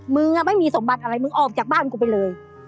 มึงไม่มีสมบัติอะไรมึงออกจากบ้านกูไปเลย